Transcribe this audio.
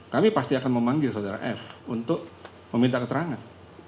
kami pasti akan memanggil saudara f untuk meminta keterangan